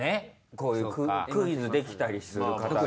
こういうクイズできたりする方が。